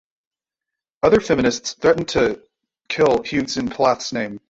Other feminists threatened to kill Hughes in Plath's name.